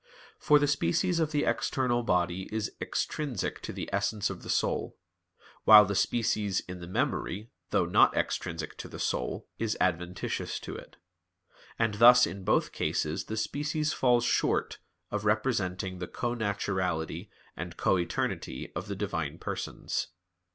For the species of the external body is extrinsic to the essence of the soul; while the species in the memory, though not extrinsic to the soul, is adventitious to it; and thus in both cases the species falls short of representing the connaturality and co eternity of the Divine Persons.